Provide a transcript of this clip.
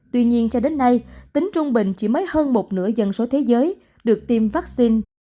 tuy nhiên cho đến nay tính trung bình chỉ mới hơn một nửa dân số thế giới được tiêm vaccine